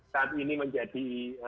saat ini menjadi